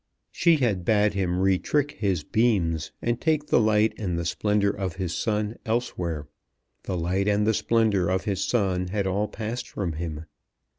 She had bade him retrick his beams, and take the light and the splendour of his sun elsewhere. The light and the splendour of his sun had all passed from him.